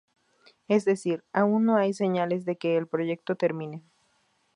Es decir, "Aún no hay señales de que el proyecto termine.